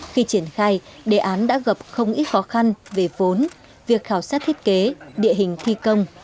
khi triển khai đề án đã gặp không ít khó khăn về vốn việc khảo sát thiết kế địa hình thi công